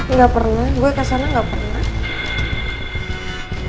enggak pernah gue kesana enggak pernah